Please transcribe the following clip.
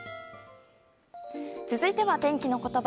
続いては天気のことば。